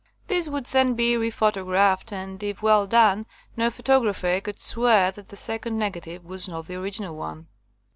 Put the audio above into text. This would then be rephotographed, and, if well done, no photographer could swear that the second negative was not the original one.